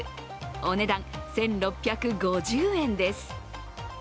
お値段１６５０円です。